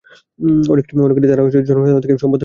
অনেক ক্ষেত্রেই তারা জনসাধারণ থেকে সম্পদ দাবি করে।